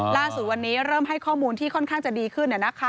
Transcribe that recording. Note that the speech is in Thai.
ล่าสุดวันนี้เริ่มให้ข้อมูลที่ค่อนข้างจะดีขึ้น